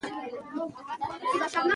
مور د ماشوم د خبرو کولو طریقه څاري۔